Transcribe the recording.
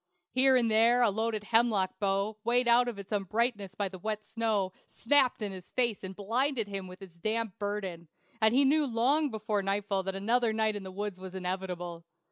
Here and there a loaded hemlock bough, weighed out of its uprightness by the wet snow, snapped in his face and blinded him with its damp burden; and he knew long before nightfall that another night in the woods was inevitable.